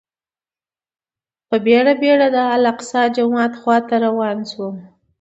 په بېړه بېرته د الاقصی جومات خواته روان شوم.